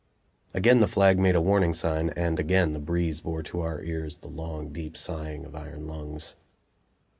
Again the flag made a warning sign, and again the breeze bore to our ears the long, deep sighing of iron lungs.